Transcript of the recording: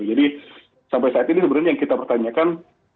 sampai saat ini sebenarnya yang kita pertanyakan